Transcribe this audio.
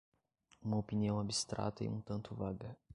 uma opinião abstrata e um tanto vaga